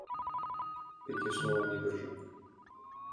Пекесолан ӱдыржӧ